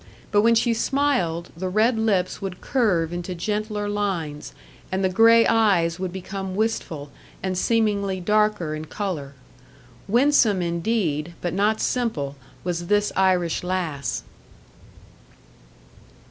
But when she smiled, the red lips would curve into gentler lines, and the grey eyes would become wistful, and seemingly darker in colour. Winsome indeed, but not simple, was this Irish lass!